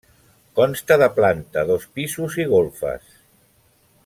Consta de planta, dos pisos i golfes.